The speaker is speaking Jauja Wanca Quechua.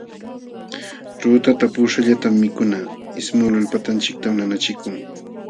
Ruurtata puquśhqallatam mikuna ismuqlul patanchiktam nanachikun.